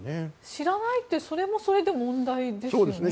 知らないってそれはそれで問題ですよね。